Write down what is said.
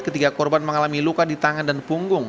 ketiga korban mengalami luka di tangan dan punggung